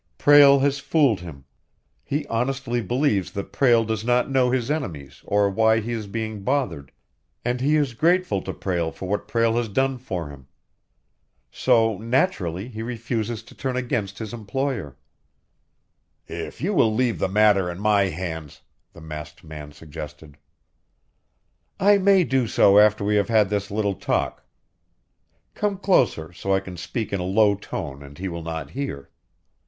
"Prale has fooled him. He honestly believes that Prale does not know his enemies or why he is being bothered, and he is grateful to Prale for what Prale has done for him. So, naturally, he refuses to turn against his employer." "If you will leave the matter in my hands " the masked man suggested. "I may do so after we have had this little talk. Come closer, so I can speak in a low tone and he will not hear."